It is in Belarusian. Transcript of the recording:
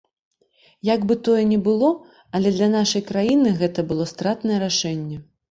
Як бы тое не было, але для нашае краіны гэта было стратнае рашэнне.